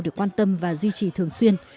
được quan tâm và duy trì thường xuyên